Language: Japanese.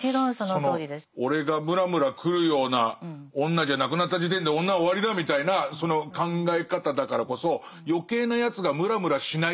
俺がムラムラくるような女じゃなくなった時点で女は終わりだみたいなその考え方だからこそ余計なやつがムラムラしないでくれるようになると楽になるみたいな。